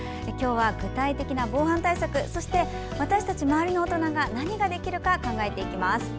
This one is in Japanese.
今日は、具体的な防犯対策そして、私たち周りの大人が何ができるか考えていきます。